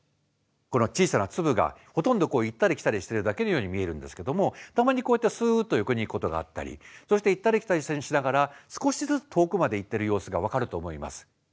この小さな粒がほとんど行ったり来たりしてるだけのように見えるんですけどもたまにこうやってすっと横に行くことがあったりそして行ったり来たりしながら少しずつ遠くまで行ってる様子が分かると思います。